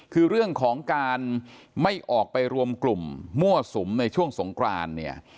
คือเรื่องของการไม่ออกไปรวมกลุ่มมั่วสุมในช่วงสงครานเนี่ย